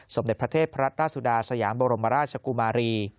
สมเด็จพระเทพรัตนราชสุดาสยามบรมราชกุมารี